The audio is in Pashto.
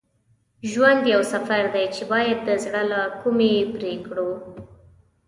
ژوند یو سفر دی چې باید د زړه له کومي پرې کړو.